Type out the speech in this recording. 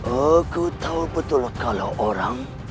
aku tahu betul kalau orang